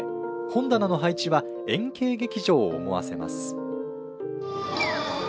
本棚の配置は、円形劇場を思わせます。